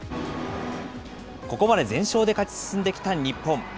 ここまで全勝で勝ち進んできた日本。